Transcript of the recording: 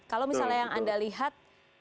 kalau misalnya yang anda lihat